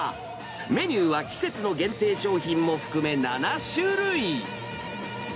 メニューは季節の限定商品も含め７種類。